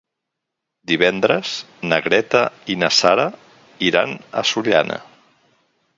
Divendres na Greta i na Sara iran a Sollana.